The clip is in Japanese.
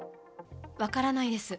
分からないです。